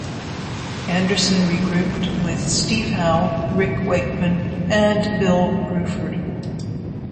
Anderson regrouped with Steve Howe, Rick Wakeman and Bill Bruford.